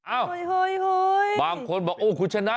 อ้าวบางคนบอกคุณชนะ